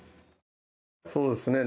そうですね。